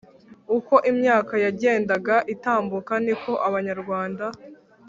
uko imyaka yagendaga itambuka ni ko abanyarwanda